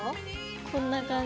こんな感じ。